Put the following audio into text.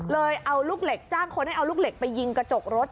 เอาลูกเหล็กจ้างคนให้เอาลูกเหล็กไปยิงกระจกรถ